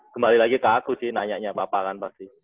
kembali lagi ke aku sih nanya nya papa kan pasti